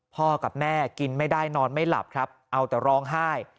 กับแม่กินไม่ได้นอนไม่หลับครับเอาแต่ร้องไห้